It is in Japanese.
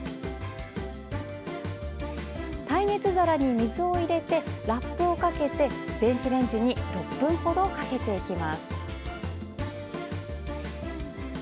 耐熱皿に水を入れてラップをかけて電子レンジに６分ほどかけていきます。